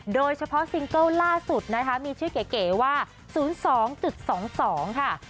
ซิงเกิลล่าสุดนะคะมีชื่อเก๋ว่า๐๒๒๒ค่ะ